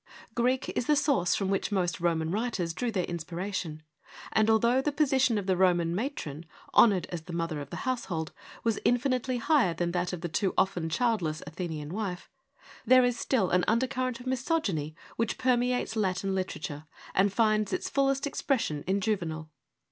Greek is the source from which most Roman writers drew their inspiration, and although the position of the Roman matron, honoured as the mother of the household, was infinitely higher than that of the too often childless Athenian wife, there is still an undercurrent of misogyny which permeates Latin literature, and finds its fullest expression in Juvenal.